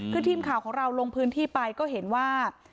คือทีมข่าวของเราลงพื้นที่ไปก็เห็นว่า